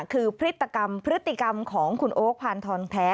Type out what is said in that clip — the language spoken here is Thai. คือพฤติกรรมของคุณโอ๊คพานทองแท้